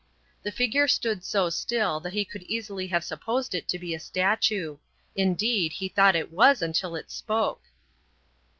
The figure stood so still that he could easily have supposed it to be a statue. Indeed, he thought it was until it spoke.